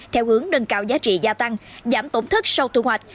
theo hướng nâng cao giá trị gia tăng giảm tổn thất sau thu hoạch